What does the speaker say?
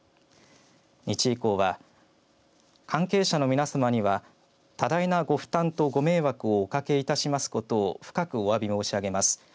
日医工は、関係者の皆さまには多大なご負担とご迷惑をおかけしていしますことを深くおわび申し上げます。